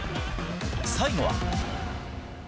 最後は。